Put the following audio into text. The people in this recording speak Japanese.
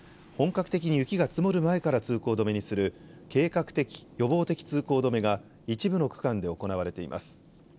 本格的に雪が積もる前から通行止めにする計画的・予防的通行止めが一部の区間で行われています。